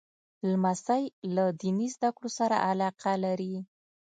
لمسی له دیني زده کړو سره علاقه لري.